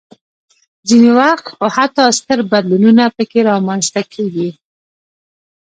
ځینې وخت خو حتی ستر بدلونونه پکې رامنځته کېږي.